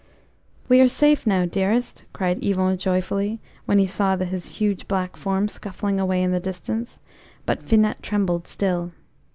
"We are safe now, dearest!" cried Yvon joyfully, when they saw his huge black form scuffling away in the distance; but Finette trembled still.